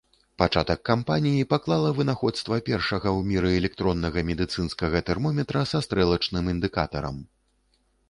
Пачатак кампаніі паклала вынаходства першага ў міры электроннага медыцынскага тэрмометра са стрэлачным індыкатарам.